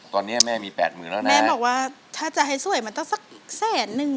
ตอนนี้แม่มีแปดหมื่นแล้วนะแม่บอกว่าถ้าจะให้สวยมันต้องสักแสนนึง